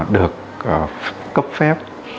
được cấp phép